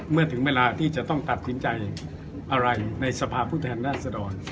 เมื่อถึงเวลาที่จะต้องตัดสินใจอะไรในสภาพุทธแห่งด้าสะดอน